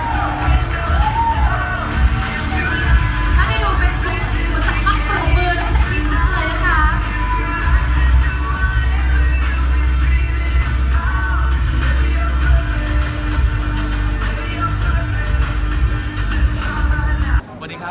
ถ้าได้ดูเฟซบุ๊คดูสภาพปรบมือดูสักทีกับพวกเธอเลยค่ะ